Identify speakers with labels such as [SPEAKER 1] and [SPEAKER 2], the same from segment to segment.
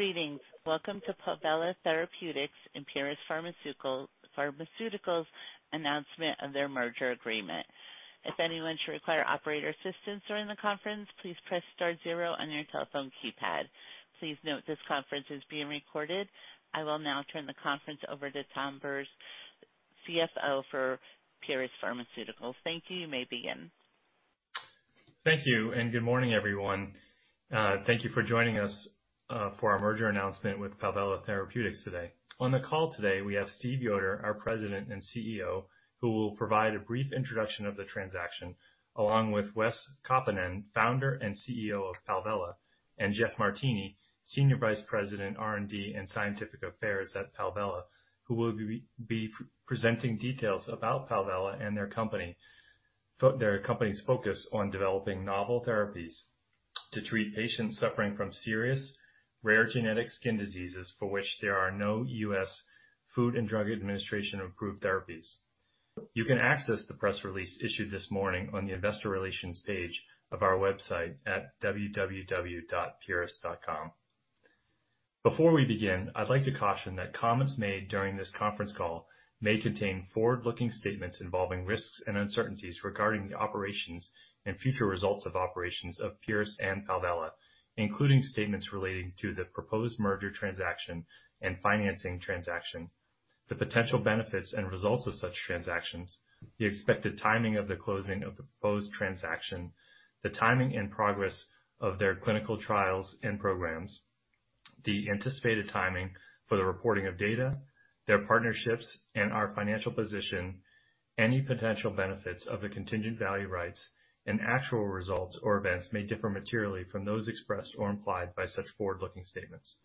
[SPEAKER 1] Greetings. Welcome to Palvella Therapeutics and Pieris Pharmaceuticals' announcement of their merger agreement. If anyone should require operator assistance during the conference, please press star zero on your telephone keypad. Please note this conference is being recorded. I will now turn the conference over to Tom Bures, CFO for Pieris Pharmaceuticals. Thank you. You may begin.
[SPEAKER 2] Thank you and good morning, everyone. Thank you for joining us, for our merger announcement with Palvella Therapeutics today. On the call today, we have Steve Yoder, our President and CEO, who will provide a brief introduction of the transaction, along with Wes Kaupinen, founder and CEO of Palvella, and Jeff Martini, Senior Vice President, R&D and Scientific Affairs at Palvella, who will be presenting details about Palvella and their company's focus on developing novel therapies to treat patients suffering from serious, rare genetic skin diseases for which there are no U.S. Food and Drug Administration-approved therapies. You can access the press release issued this morning on the investor relations page of our website at www.pieris.com. Before we begin, I'd like to caution that comments made during this conference call may contain forward-looking statements involving risks and uncertainties regarding the operations and future results of operations of Pieris and Palvella, including statements relating to the proposed merger transaction and financing transaction, the potential benefits and results of such transactions, the expected timing of the closing of the proposed transaction, the timing and progress of their clinical trials and programs, the anticipated timing for the reporting of data, their partnerships and our financial position, any potential benefits of the contingent value rights, and actual results or events may differ materially from those expressed or implied by such forward-looking statements.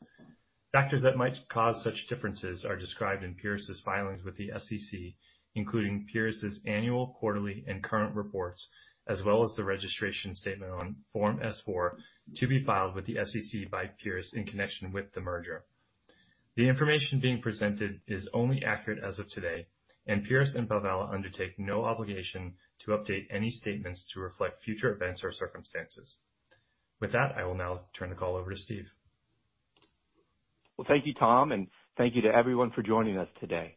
[SPEAKER 2] Factors that might cause such differences are described in Pieris's filings with the SEC, including Pieris's annual, quarterly, and current reports, as well as the registration statement on Form S-4 to be filed with the SEC by Pieris in connection with the merger. The information being presented is only accurate as of today, and Pieris and Palvella undertake no obligation to update any statements to reflect future events or circumstances. With that, I will now turn the call over to Steve.
[SPEAKER 3] Well, thank you, Tom, and thank you to everyone for joining us today.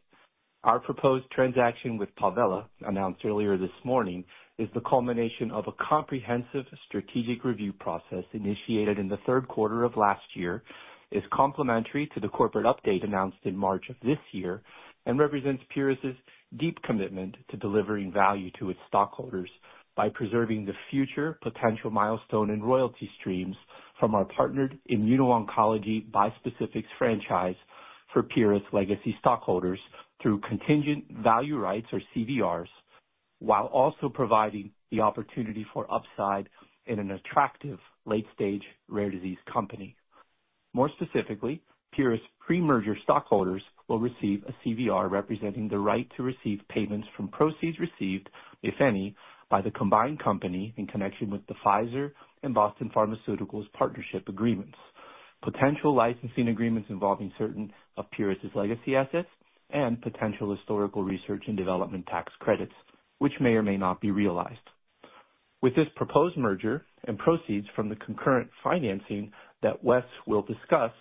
[SPEAKER 3] Our proposed transaction with Palvella, announced earlier this morning, is the culmination of a comprehensive strategic review process initiated in the third quarter of last year, is complementary to the corporate update announced in March of this year, and represents Pieris's deep commitment to delivering value to its stockholders by preserving the future potential milestone and royalty streams from our partnered immuno-oncology bispecifics franchise for Pieris legacy stockholders through contingent value rights, or CVRs, while also providing the opportunity for upside in an attractive late-stage rare disease company. More specifically, Pieris pre-merger stockholders will receive a CVR representing the right to receive payments from proceeds received, if any, by the combined company in connection with the Pfizer and Boston Pharmaceuticals partnership agreements, potential licensing agreements involving certain of Pieris's legacy assets, and potential historical research and development tax credits, which may or may not be realized. With this proposed merger and proceeds from the concurrent financing that Wes will discuss,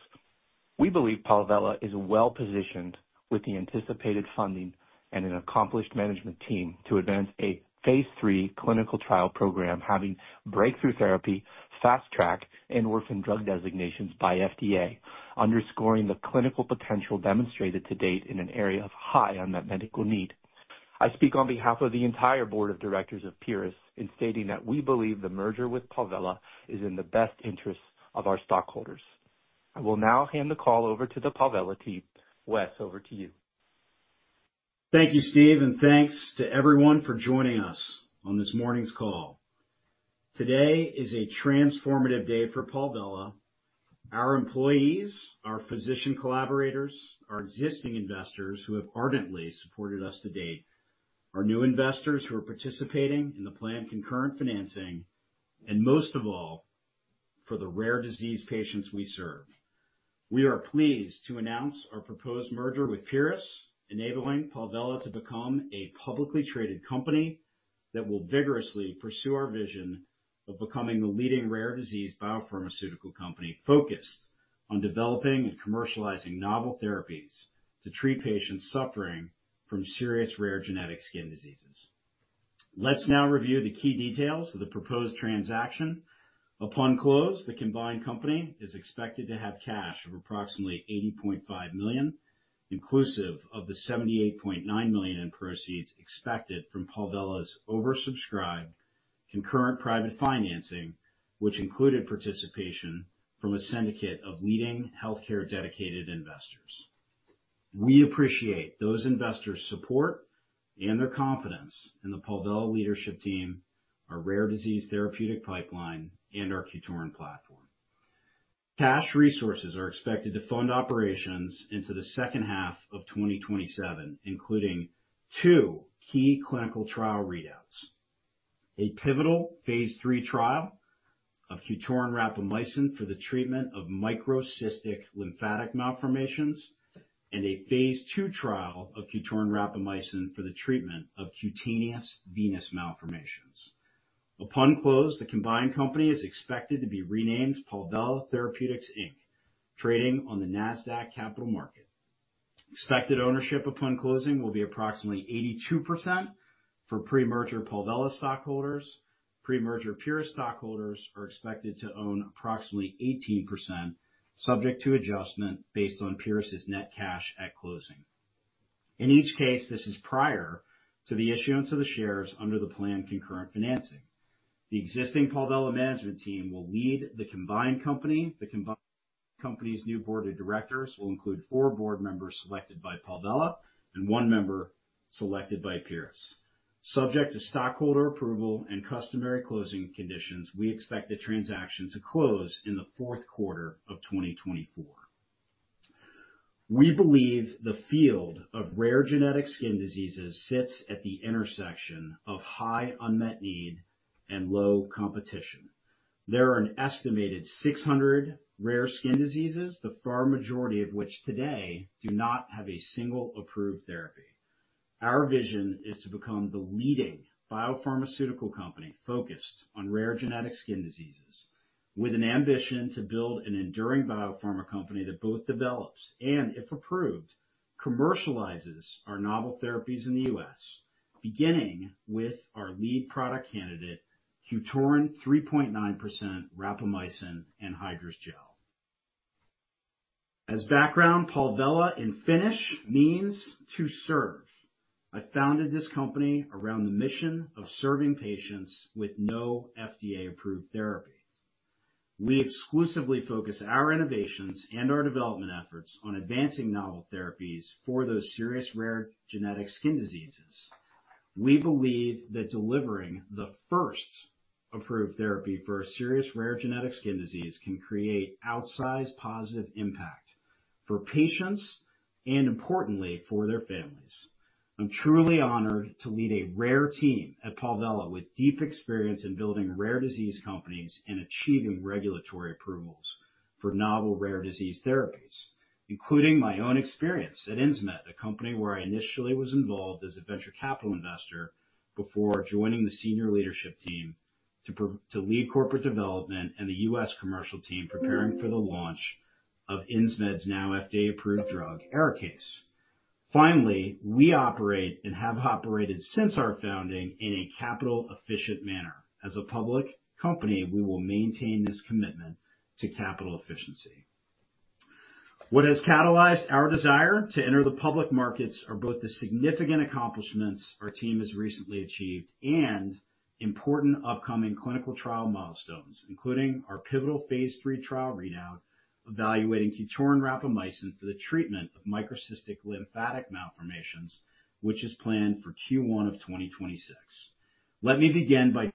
[SPEAKER 3] we believe Palvella is well-positioned with the anticipated funding and an accomplished management team to advance a phase III clinical trial program, having breakthrough therapy, fast track, and orphan drug designations by FDA, underscoring the clinical potential demonstrated to date in an area of high unmet medical need. I speak on behalf of the entire board of directors of Pieris in stating that we believe the merger with Palvella is in the best interests of our stockholders. I will now hand the call over to the Palvella team. Wes, over to you.
[SPEAKER 4] Thank you, Steve, and thanks to everyone for joining us on this morning's call. Today is a transformative day for Palvella. Our employees, our physician collaborators, our existing investors who have ardently supported us to date, our new investors who are participating in the planned concurrent financing, and most of all, for the rare disease patients we serve. We are pleased to announce our proposed merger with Pieris, enabling Palvella to become a publicly traded company that will vigorously pursue our vision of becoming the leading rare disease biopharmaceutical company focused on developing and commercializing novel therapies to treat patients suffering from serious rare genetic skin diseases. Let's now review the key details of the proposed transaction. Upon close, the combined company is expected to have cash of approximately $80.5 million, inclusive of the $78.9 million in proceeds expected from Palvella's oversubscribed concurrent private financing, which included participation from a syndicate of leading healthcare dedicated investors. We appreciate those investors' support and their confidence in the Palvella leadership team, our rare disease therapeutic pipeline, and our QTORIN platform. Cash resources are expected to fund operations into the second half of 2027, including two key clinical trial readouts: a pivotal phase III trial of QTORIN rapamycin for the treatment of microcystic lymphatic malformations, and a phase II trial of QTORIN rapamycin for the treatment of cutaneous venous malformations. Upon close, the combined company is expected to be renamed Palvella Therapeutics Inc, trading on the Nasdaq Capital Market. Expected ownership upon closing will be approximately 82% for pre-merger Palvella stockholders. Pre-merger Pieris stockholders are expected to own approximately 18%, subject to adjustment based on Pieris's net cash at closing. In each case, this is prior to the issuance of the shares under the planned concurrent financing. The existing Palvella management team will lead the combined company. The combined company's new board of directors will include four board members selected by Palvella and one member selected by Pieris. Subject to stockholder approval and customary closing conditions, we expect the transaction to close in the fourth quarter of 2024. We believe the field of rare genetic skin diseases sits at the intersection of high unmet need and low competition. There are an estimated 600 rare skin diseases, the far majority of which today do not have a single approved therapy. Our vision is to become the leading biopharmaceutical company focused on rare genetic skin diseases, with an ambition to build an enduring biopharma company that both develops and, if approved, commercializes our novel therapies in the U.S., beginning with our lead product candidate, QTORIN 3.9% rapamycin anhydrous gel. As background, Palvella in Finnish means "to serve." I founded this company around the mission of serving patients with no FDA-approved therapy. We exclusively focus our innovations and our development efforts on advancing novel therapies for those serious rare genetic skin diseases. We believe that delivering the first approved therapy for a serious rare genetic skin disease can create outsized positive impact for patients and, importantly, for their families. I'm truly honored to lead a rare team at Palvella with deep experience in building rare disease companies and achieving regulatory approvals for novel rare disease therapies, including my own experience at Insmed, a company where I initially was involved as a venture capital investor before joining the senior leadership team to lead corporate development and the U.S. commercial team preparing for the launch of Insmed's now FDA-approved drug, Arikayce. Finally, we operate and have operated since our founding in a capital-efficient manner. As a public company, we will maintain this commitment to capital efficiency. What has catalyzed our desire to enter the public markets are both the significant accomplishments our team has recently achieved and important upcoming clinical trial milestones, including our pivotal phase III trial readout evaluating QTORIN rapamycin for the treatment of microcystic lymphatic malformations, which is planned for Q1 of 2026. Let me begin by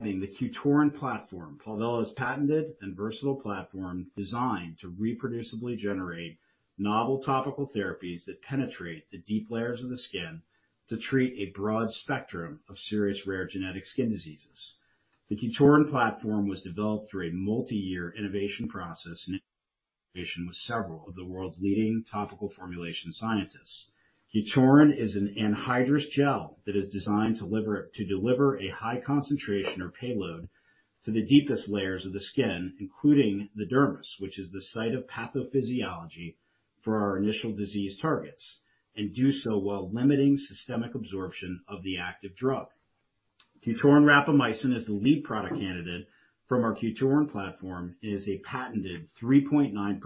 [SPEAKER 4] the QTORIN platform, Palvella's patented and versatile platform designed to reproducibly generate novel topical therapies that penetrate the deep layers of the skin to treat a broad spectrum of serious rare genetic skin diseases. The QTORIN platform was developed through a multi-year innovation process and with several of the world's leading topical formulation scientists. QTORIN is an anhydrous gel that is designed to deliver a high concentration or payload to the deepest layers of the skin, including the dermis, which is the site of pathophysiology for our initial disease targets, and do so while limiting systemic absorption of the active drug. QTORIN rapamycin is the lead product candidate from our QTORIN platform. It is a patented 3.9%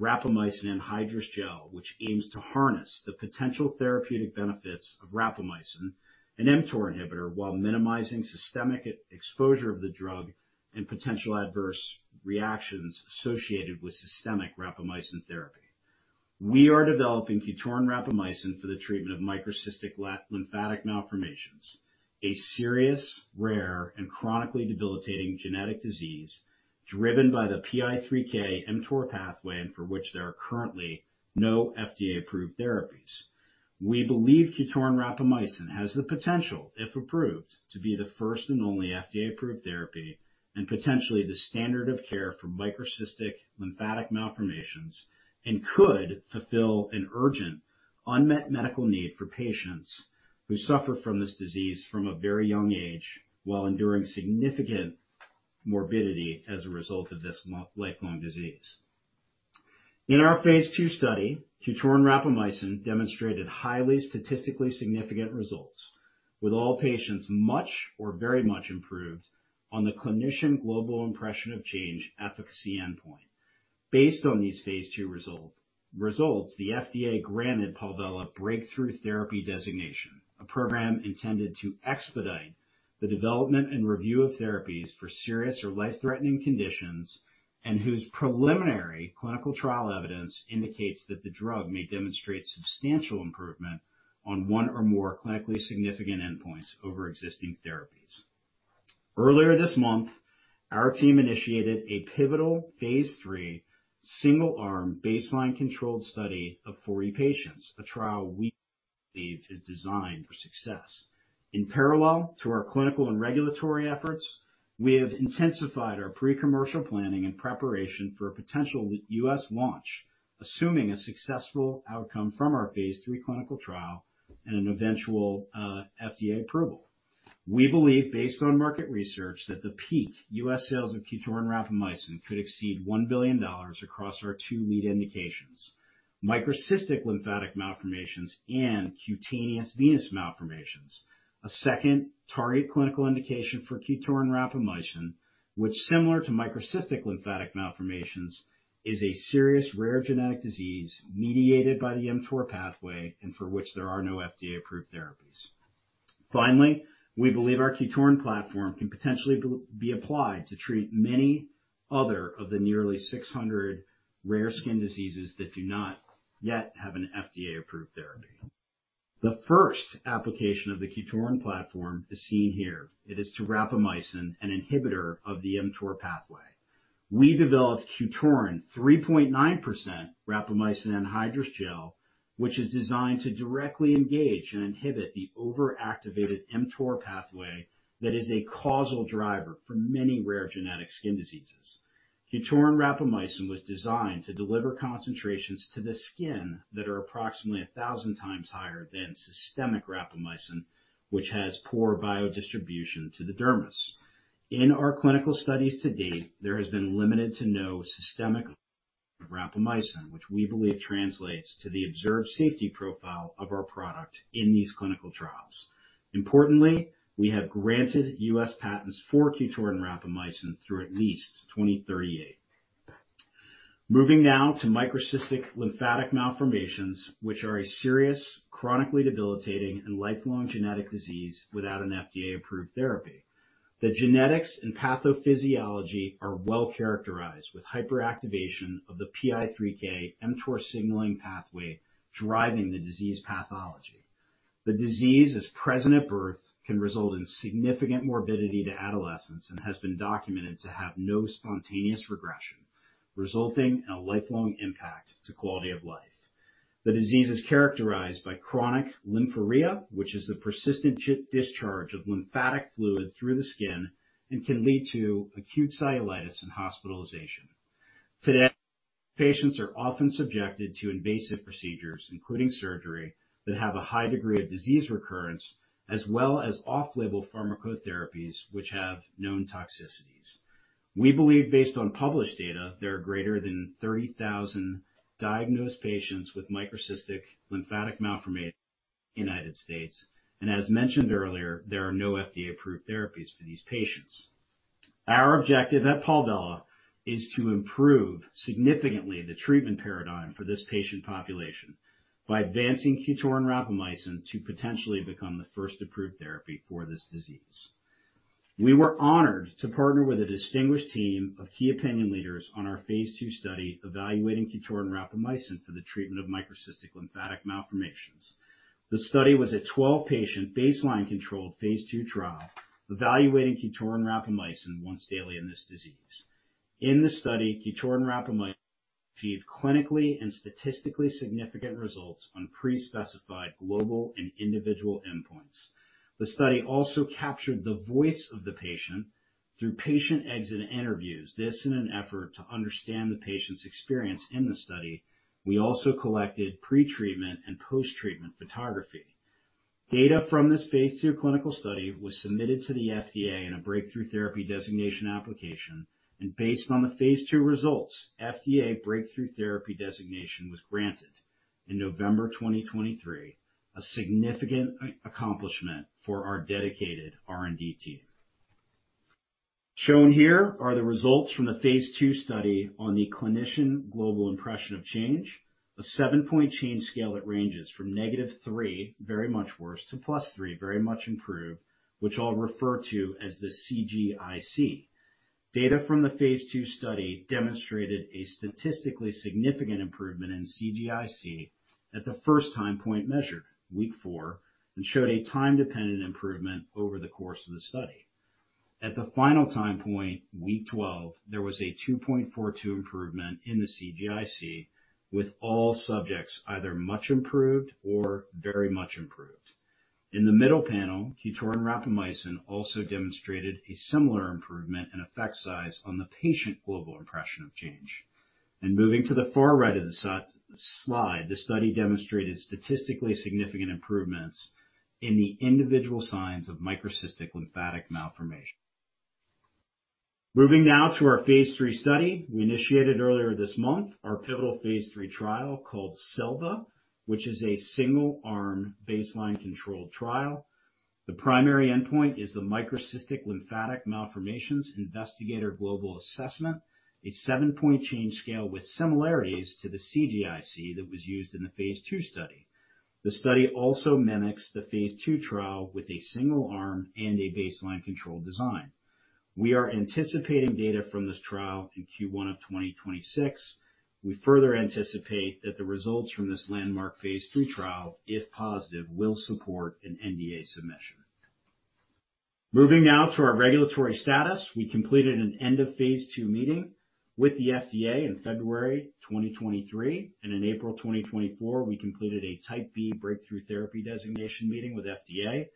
[SPEAKER 4] rapamycin anhydrous gel, which aims to harness the potential therapeutic benefits of rapamycin, an mTOR inhibitor, while minimizing systemic exposure of the drug and potential adverse reactions associated with systemic rapamycin therapy. We are developing QTORIN rapamycin for the treatment of microcystic lymphatic malformations, a serious rare and chronically debilitating genetic disease driven by the PI3K/mTOR pathway and for which there are currently no FDA-approved therapies. We believe QTORIN rapamycin has the potential, if approved, to be the first and only FDA-approved therapy and potentially the standard of care for microcystic lymphatic malformations and could fulfill an urgent unmet medical need for patients who suffer from this disease from a very young age while enduring significant morbidity as a result of this lifelong disease. In our phase II study, QTORIN rapamycin demonstrated highly statistically significant results, with all patients much or very much improved on the Clinician Global Impression of Change efficacy endpoint. Based on these phase II results, the FDA granted Palvella Breakthrough Therapy Designation, a program intended to expedite the development and review of therapies for serious or life-threatening conditions and whose preliminary clinical trial evidence indicates that the drug may demonstrate substantial improvement on one or more clinically significant endpoints over existing therapies. Earlier this month, our team initiated a pivotal phase III single-arm baseline controlled study of 40 patients, a trial we believe is designed for success. In parallel to our clinical and regulatory efforts, we have intensified our pre-commercial planning and preparation for a potential U.S. launch, assuming a successful outcome from our phase III clinical trial and an eventual FDA approval. We believe, based on market research, that the peak U.S. sales of QTORIN rapamycin could exceed $1 billion across our two lead indications, microcystic lymphatic malformations and cutaneous venous malformations. A second target clinical indication for QTORIN rapamycin, which, similar to microcystic lymphatic malformations, is a serious rare genetic disease mediated by the mTOR pathway and for which there are no FDA-approved therapies. Finally, we believe our QTORIN platform can potentially be applied to treat many other of the nearly 600 rare skin diseases that do not yet have an FDA-approved therapy. The first application of the QTORIN platform is seen here. It is to rapamycin, an inhibitor of the mTOR pathway. We developed QTORIN 3.9% rapamycin anhydrous gel, which is designed to directly engage and inhibit the overactivated mTOR pathway that is a causal driver for many rare genetic skin diseases. QTORIN rapamycin was designed to deliver concentrations to the skin that are approximately 1,000 times higher than systemic rapamycin, which has poor biodistribution to the dermis. In our clinical studies to date, there has been limited to no systemic rapamycin, which we believe translates to the observed safety profile of our product in these clinical trials. Importantly, we have granted U.S. patents for QTORIN rapamycin through at least 2038. Moving now to microcystic lymphatic malformations, which are a serious, chronically debilitating, and lifelong genetic disease without an FDA-approved therapy. The genetics and pathophysiology are well characterized, with hyperactivation of the PI3K/mTOR signaling pathway driving the disease pathology. The disease, as present at birth, can result in significant morbidity to adolescents and has been documented to have no spontaneous regression, resulting in a lifelong impact to quality of life. The disease is characterized by chronic lymphuria, which is the persistent discharge of lymphatic fluid through the skin and can lead to acute cellulitis and hospitalization. Today, patients are often subjected to invasive procedures, including surgery, that have a high degree of disease recurrence, as well as off-label pharmacotherapies, which have known toxicities. We believe, based on published data, there are greater than 30,000 diagnosed patients with microcystic lymphatic malformations in the United States. As mentioned earlier, there are no FDA-approved therapies for these patients. Our objective at Palvella is to improve significantly the treatment paradigm for this patient population by advancing QTORIN rapamycin to potentially become the first approved therapy for this disease. We were honored to partner with a distinguished team of key opinion leaders on our phase II study evaluating QTORIN rapamycin for the treatment of microcystic lymphatic malformations. The study was a 12-patient baseline controlled phase two trial evaluating QTORIN rapamycin once daily in this disease. In the study, QTORIN rapamycin achieved clinically and statistically significant results on pre-specified global and individual endpoints. The study also captured the voice of the patient through patient exit interviews, this in an effort to understand the patient's experience in the study. We also collected pre-treatment and post-treatment photography. Data from this phase two clinical study was submitted to the FDA in a breakthrough therapy designation application, and based on the phase two results, FDA breakthrough therapy designation was granted in November 2023, a significant accomplishment for our dedicated R&D team. Shown here are the results from the phase II study on the Clinician Global Impression of Change, a seven-point change scale that ranges from -3, very much worse, to +3, very much improved, which I'll refer to as the CGIC. Data from the phase II study demonstrated a statistically significant improvement in CGIC at the first time point measured, week 4, and showed a time-dependent improvement over the course of the study. At the final time point, week 12, there was a 2.42 improvement in the CGIC, with all subjects either much improved or very much improved. In the middle panel, QTORIN rapamycin also demonstrated a similar improvement in effect size on the Patient Global Impression of Change. Moving to the far right of the slide, the study demonstrated statistically significant improvements in the individual signs of microcystic lymphatic malformation. Moving now to our phase III study, we initiated earlier this month our pivotal phase III trial called SELVA, which is a single-arm baseline controlled trial. The primary endpoint is the Microcystic Lymphatic Malformations Investigator Global Assessment, a 7-point change scale with similarities to the CGIC that was used in the phase II study. The study also mimics the phase II trial with a single arm and a baseline controlled design. We are anticipating data from this trial in Q1 of 2026. We further anticipate that the results from this landmark phase III trial, if positive, will support an NDA submission. Moving now to our regulatory status, we completed an end-of-phase II meeting with the FDA in February 2023, and in April 2024, we completed a type B breakthrough therapy designation meeting with FDA.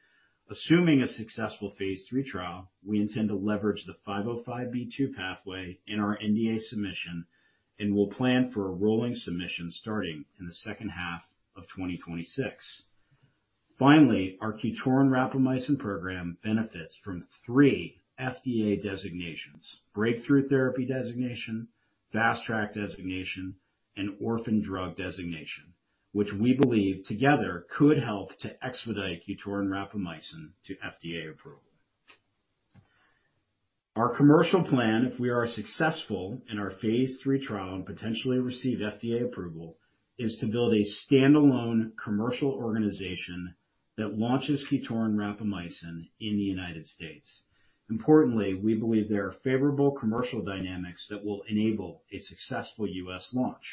[SPEAKER 4] Assuming a successful phase III trial, we intend to leverage the 505(b)(2) pathway in our NDA submission and will plan for a rolling submission starting in the second half of 2026. Finally, our QTORIN rapamycin program benefits from three FDA designations: breakthrough therapy designation, fast track designation, and orphan drug designation, which we believe together could help to expedite QTORIN rapamycin to FDA approval. Our commercial plan, if we are successful in our phase III trial and potentially receive FDA approval, is to build a standalone commercial organization that launches QTORIN rapamycin in the United States. Importantly, we believe there are favorable commercial dynamics that will enable a successful U.S. launch.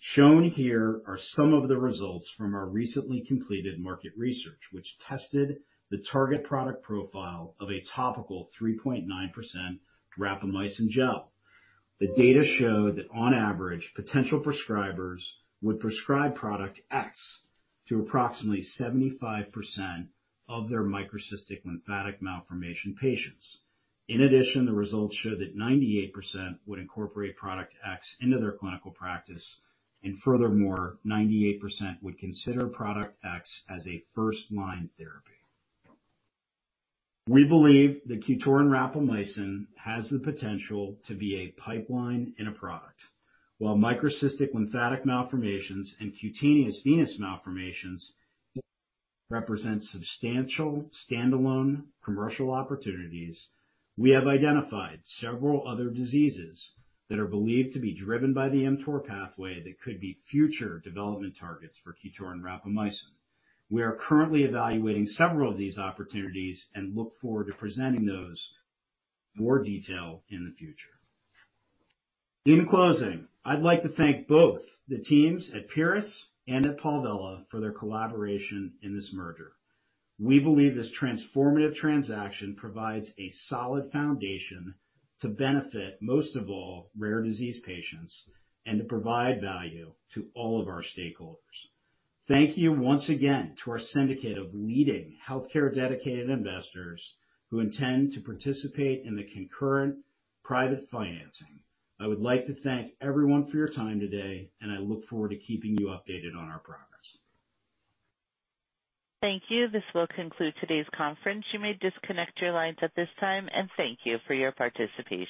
[SPEAKER 4] Shown here are some of the results from our recently completed market research, which tested the target product profile of a topical 3.9% rapamycin gel. The data showed that, on average, potential prescribers would prescribe product X to approximately 75% of their microcystic lymphatic malformation patients. In addition, the results showed that 98% would incorporate product X into their clinical practice, and furthermore, 98% would consider product X as a first-line therapy. We believe that QTORIN rapamycin has the potential to be a pipeline-in-a-product. While microcystic lymphatic malformations and cutaneous venous malformations represent substantial standalone commercial opportunities, we have identified several other diseases that are believed to be driven by the mTOR pathway that could be future development targets for QTORIN rapamycin. We are currently evaluating several of these opportunities and look forward to presenting those in more detail in the future. In closing, I'd like to thank both the teams at Pieris and at Palvella for their collaboration in this merger. We believe this transformative transaction provides a solid foundation to benefit most of all rare disease patients and to provide value to all of our stakeholders. Thank you once again to our syndicate of leading healthcare dedicated investors who intend to participate in the concurrent private financing. I would like to thank everyone for your time today, and I look forward to keeping you updated on our progress.
[SPEAKER 1] Thank you. This will conclude today's conference. You may disconnect your lines at this time, and thank you for your participation.